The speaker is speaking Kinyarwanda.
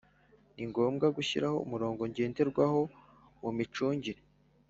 Ni ngomnwa gushyiraho umurongo ngenderwaho mu micungire